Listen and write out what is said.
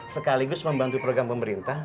sekaligus membantu program pemerintah